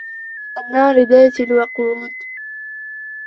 النَّارِ ذَاتِ الْوَقُودِ